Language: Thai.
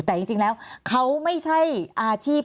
แต่จริงแล้วเขาไม่ใช่อาชีพ